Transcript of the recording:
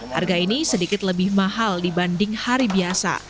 harga ini sedikit lebih mahal dibanding hari biasa